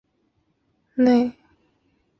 信浓町是位于长野县北部上水内郡的一町。